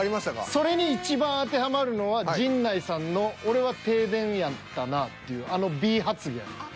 それにいちばん当てはまるのは陣内さんの俺は停電やったなっていうあのＢ発言。